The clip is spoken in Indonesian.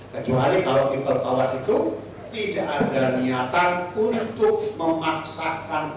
kecuali kalau people power itu tidak ada niatan untuk memaksakan